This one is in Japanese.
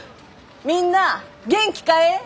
みんなあ元気かえ？